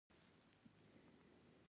ډارول پرېده زه پکې پخه يم.